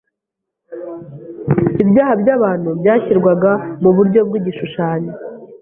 Ibyaha by’abantu byashyirwaga mu buryo bw’igishushanyo